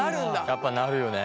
やっぱなるよね。